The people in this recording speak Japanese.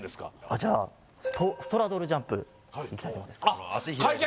じゃあストラドルジャンプいきたいと思うんですけどあっ開脚！